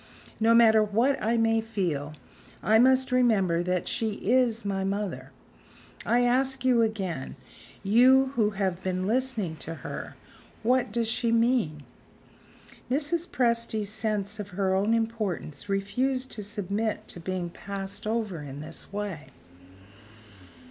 "No matter what I may feel, I must remember that she is my mother. I ask you again you who have been listening to her what does she mean?" Mrs. Presty's sense of her own importance refused to submit to being passed over in this way.